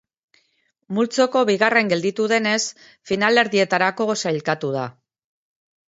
Multzoko bigarren gelditu denez, finalerdietarako sailkatu da.